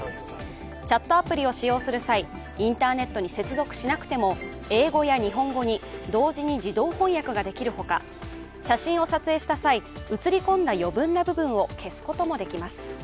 チャットアプリを使用する際インターネットに接続しなくても英語や日本語に同時に自動翻訳ができるほか写真を撮影した際、写り込んだ余分な部分を消すこともできます。